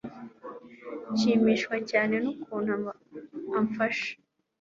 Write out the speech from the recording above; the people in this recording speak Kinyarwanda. Nshimishwa cyane n'ukuntu amfasha